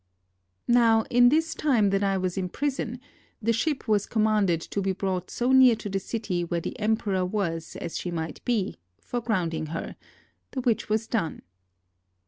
Now in this time that I was in prison the ship was commanded to be brought so near to the city where the emperor was as she might be (for grounding her) ; the which was done.